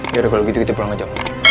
ya udah kalau gitu kita pulang aja